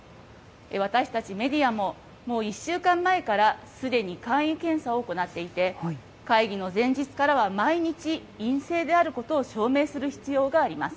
私たちメディアも、もう１週間前から、すでに簡易検査を行っていて、会議の前日からは毎日陰性であることを証明する必要があります。